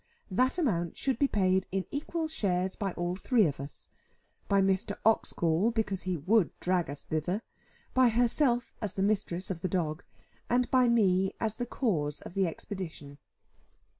That amount should be paid in equal shares by all three of us: by Mr. Oxgall because he would drag us thither, by herself as the mistress of the dog, and by me as the cause of the expedition.